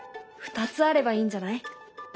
２つあればいいんじゃない？